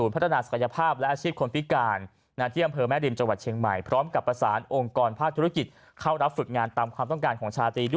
เพราะว่าง่ายจะลองอยากลองฝีมือตัวเองก่อน